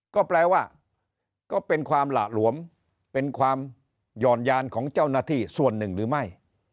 ก็แปลว่าก็เป็นความหละหลวมเป็นความหย่อนยานของเจ้าหน้าที่ส่วนหนึ่งหรือไม่